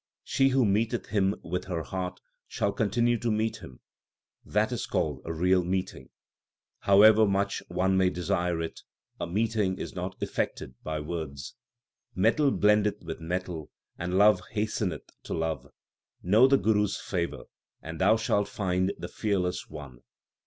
She who meeteth Him with her heart shall continue to meet Him ; that is called a real meeting. However much one may desire it, a meeting is not effected by words. 1 That is, in a future birth. LIFE OF GURU NANAK 109 Metal blendeth with metal and love hasteneth to love. Know the Guru s favour, and thou shalt find the Fearless One.